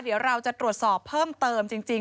เดี๋ยวเราจะตรวจสอบเพิ่มเติมจริง